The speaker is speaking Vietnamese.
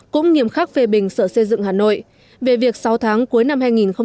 cũng nghiêm khắc phê bình sở xây dựng hà nội về việc sáu tháng cuối năm hai nghìn một mươi chín